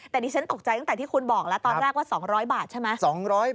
แต่ดิฉันตกใจตั้งแต่ที่คุณบอกแล้วตอนแรกว่า๒๐๐บาทใช่ไหม